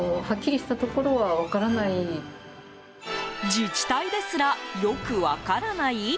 自治体ですらよく分からない？